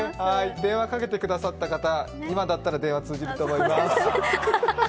電話かけてくださった方、今だったら電話通じると思います。